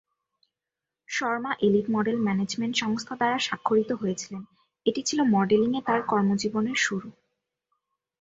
Sharma Elite Model Management সংস্থা দ্বারা স্বাক্ষরিত হয়েছিলেন, এটি ছিল মডেলিংয়ে তার কর্মজীবনের শুরু।